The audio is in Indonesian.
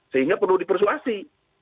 sehingga perlu dipersuasi